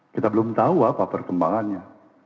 kita belum tahu apa perkembangannya